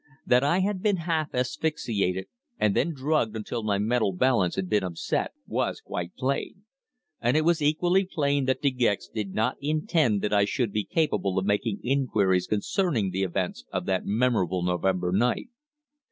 That I had been half asphyxiated and then drugged until my mental balance had been upset, was quite plain. And it was equally plain that De Gex did not intend that I should be capable of making inquiries concerning the events of that memorable November night.